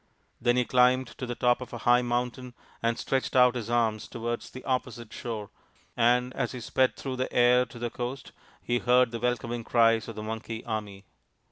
Then he climbed to the top of a high mountain and stretched out his arms towards the opposite shore, and as he sped through the air to the coast he heard the welcoming cries of the Monkey army.